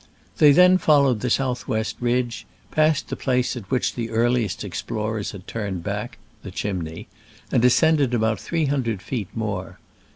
They then followed the south west ridge, passed the place at which the earliest explorers had turned back (the Chimney), and ascended about three hundred feet more.